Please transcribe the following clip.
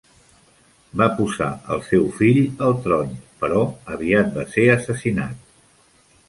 Va posar el seu fill al tron, però aviat va ser assassinat.